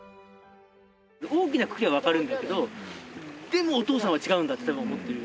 大きなくくりは分かるんだけどでもお父さんは違うんだってたぶん思ってる。